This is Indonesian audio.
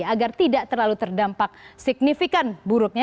agar tidak terlalu terdampak signifikan buruknya